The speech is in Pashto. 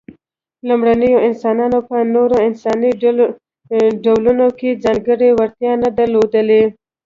لومړنيو انسانانو په نورو انساني ډولونو کې ځانګړې وړتیا نه درلودلې.